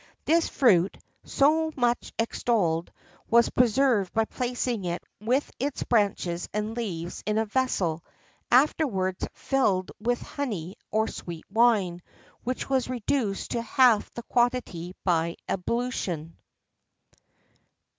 This fruit, so much extolled, was preserved by placing it with its branches and leaves in a vessel, afterwards filled with honey or sweet wine, which was reduced to half the quantity by ebullition.